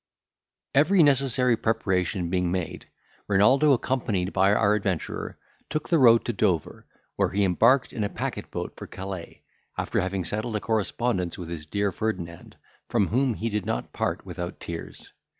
Every necessary preparation being made, Renaldo, accompanied by our adventurer, took the road to Dover, where he embarked in a packet boat for Calais, after having settled a correspondence with his dear Ferdinand, from whom he did not part without tears.